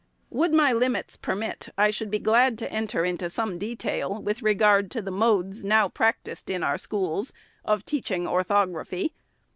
Would my limits permit, I should be glad to enter into some detail with regard to the modes, now practised in our schools, of teaching orthography.